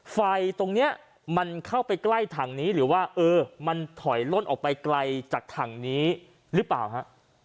ไฟตรงนี้มันเข้าไปใกล้ถังนี้หรือว่าเออมันถอยล่นออกไปไกลจากถังนี้หรือเปล่าฮะ